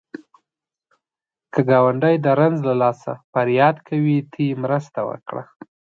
که ګاونډی د رنځ له لاسه فریاد کوي، ته یې مرسته وکړه